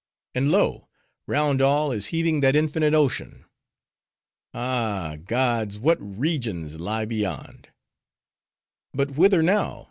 "And lo! round all is heaving that infinite ocean. Ah! gods! what regions lie beyond?" "But whither now?"